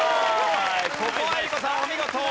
ここは江里子さんお見事！